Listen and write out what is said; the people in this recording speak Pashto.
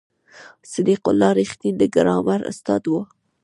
صدیق الله رښتین د ګرامر استاد و.